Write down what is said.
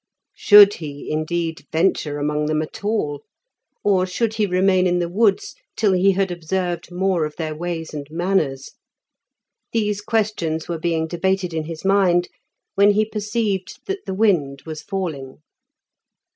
Should he, indeed, venture among them at all? Or should he remain in the woods till he had observed more of their ways and manners? These questions were being debated in his mind, when he perceived that the wind was falling.